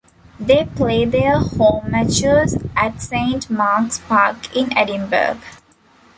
They play their home matches at Saint Mark's Park in Edinburgh.